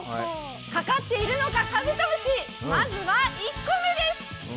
かかっているのか、カブトムシ、まずは１個目です。